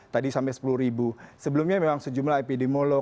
sampai sepuluh ribu sebelumnya memang sejumlah epidemiolog